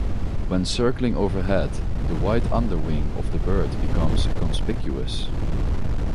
When circling overhead, the white underwing of the bird becomes conspicuous.